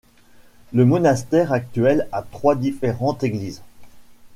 Le monastère actuel a trois différentes églises.